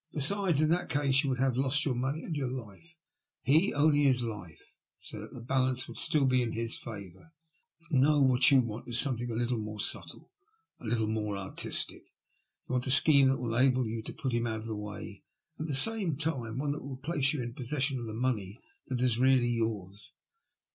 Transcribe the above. Besides, in that case, you would have lost your money and your life; he only his life, so that the balance would still be in his favour. No ; what you want is something a little more subtle, a little more artistic. You want a scheme that will enable you to put him out of the way, and, at the same time, one that will place you in possession of the money that is really yours.